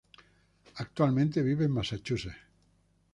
Actualmente vive en Massachusetts.